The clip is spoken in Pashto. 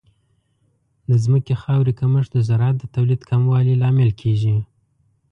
د ځمکې خاورې کمښت د زراعت د تولید کموالی لامل کیږي.